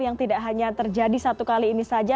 yang tidak hanya terjadi satu kali ini saja